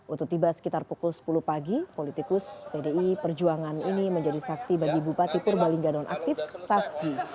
untuk tiba sekitar pukul sepuluh pagi politikus pdi perjuangan ini menjadi saksi bagi bupati purbalingga nonaktif sasji